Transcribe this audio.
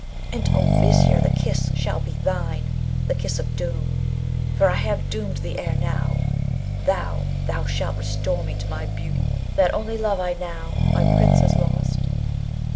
And, O Vizier, the kiss shall be thine, the kiss of doom; for I have doomed thee ere now. Thou, thou shalt restore me to my beauty: that only love I now my Prince is lost.'